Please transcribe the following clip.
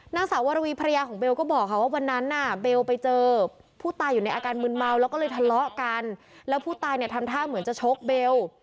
นางสาววรวีภรรยาของเบลก็บอกค่ะว่าวันนั้นน่ะเบลไปเจอผู้ตายอยู่ในอาการมืนเมาแล้วก็เลยทะเลาะกันแล้วผู้ตายเนี่ยทำท่าเหมือนจะชกเบล